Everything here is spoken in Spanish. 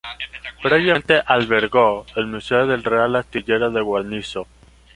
Previamente albergó el Museo del Real Astillero de Guarnizo.